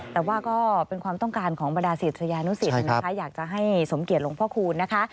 แต่ว่าก็เป็นความต้องการของบรรดาศิษยานุสิตนะคะอยากจะให้สมเกียจหลวงพ่อคูณนะคะ